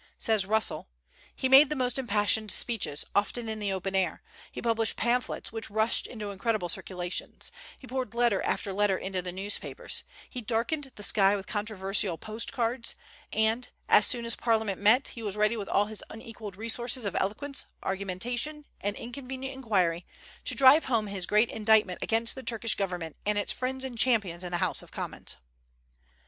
Says Russell: "He made the most impassioned speeches, often in the open air; he published pamphlets, which rushed into incredible circulations; he poured letter after letter into the newspapers; he darkened the sky with controversial post cards; and, as soon as Parliament met, he was ready with all his unequalled resources of eloquence, argumentation, and inconvenient inquiry, to drive home his great indictment against the Turkish government and its friends and champions in the House of Commons."